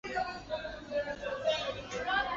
随后贬为麟山驿丞。